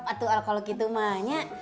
atau alkohol gitu mah